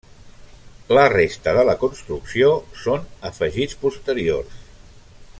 La resta de la construcció són afegits posteriors.